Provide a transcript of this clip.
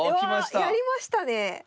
やりましたね。